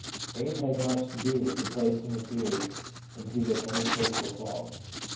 Age has much to do with the place in the series into which any case will fall.